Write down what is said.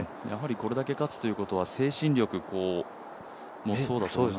これだけ勝つということは精神力もそうだと思いますし。